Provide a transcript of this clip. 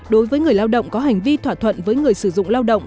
đối với người lao động có hành vi thỏa thuận với người sử dụng lao động